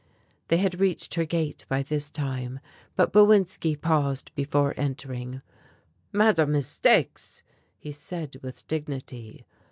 They had reached her gate by this time, but Bowinski paused before entering: "Madame mistakes!" he said with dignity.